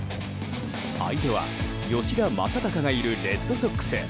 相手は吉田正尚がいるレッドソックス。